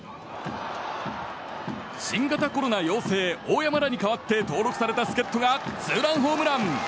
新型コロナ陽性大山らに代わって登録された助っ人がツーランホームラン。